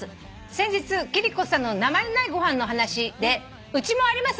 「先日貴理子さんの名前のないご飯の話でうちもあります